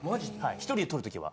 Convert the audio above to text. １人で撮るときは。